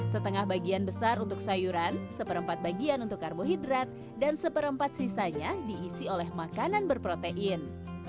setengah bagian besar untuk sayuran seperempat bagian untuk karbohidrat dan seperempat sisanya diisi oleh makanan berprotein